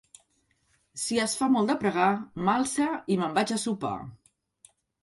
Si es fa molt de pregar, m'alce i me'n vaig a sopar.